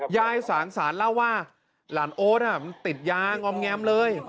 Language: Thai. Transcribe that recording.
ยายสางสารเล่าว่าหลานโอ๊ตติดยางอมแงมเลย